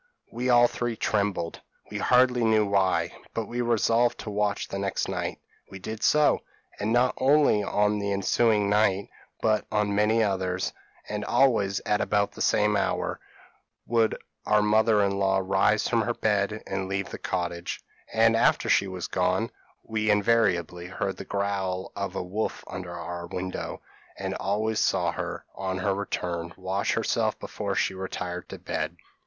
p> "We all three trembled we hardly knew why; but we resolved to watch the next night: we did so; and not only on the ensuing night, but on many others, and always at about the same hour, would our mother in law rise from her bed and leave the cottage; and after she was gone we invariably heard the growl of a wolf under our window, and always saw her, on her return, wash herself before she retired to bed.